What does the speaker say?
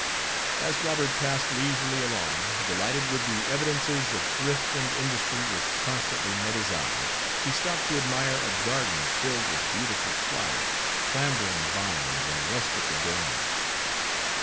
As Robert passed leisurely along, delighted with the evidences of thrift and industry which constantly met his eye, he stopped to admire a garden filled with beautiful flowers, clambering vines, and rustic adornments.